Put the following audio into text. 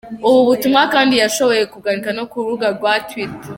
Ubu butumwa kandi yashoboye kubwandika no ku rubuga rwa twitter: